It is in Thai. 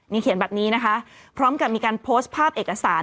นี่เขียนแบบนี้นะคะพร้อมกับมีการโพสต์ภาพเอกสาร